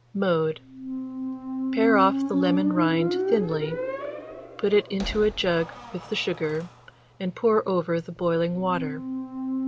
Mode. Pare off the lemon rind thinly, put it into a jug with the sugar, and pour over the boiling water.